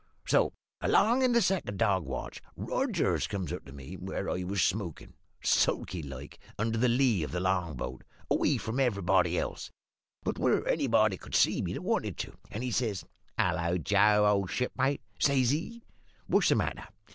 So, along in the second dog watch, Rogers comes up to me where I was smokin', sulky like, under the lee of the long boat, away from everybody else, but where anybody could see me that wanted to, and he says "`Hullo, Joe, old shipmate,' says he, `what's the matter?